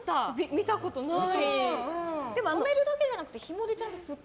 見たことない。